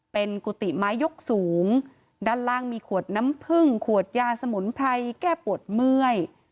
เป็นกุฏิไม้ยกสูงด้านล่างมีขวดน้ำผึ้งขวดยาสมุนไพรแก้ปวดเมื่อย